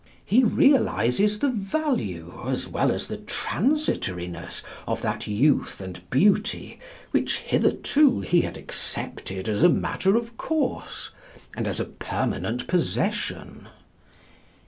He realizes the value as well as the transitoriness of that youth and beauty which hitherto he had accepted as a matter of course and as a permanent possession.